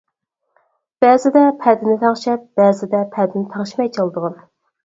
بەزىدە پەدىنى تەڭشەپ، بەزىدە پەدىنى تەڭشىمەي چالىدىغان.